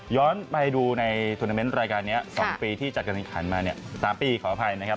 ไปดูในทวนาเมนต์รายการนี้๒ปีที่จัดการแข่งขันมาเนี่ย๓ปีขออภัยนะครับ